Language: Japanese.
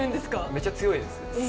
めちゃ強いですね。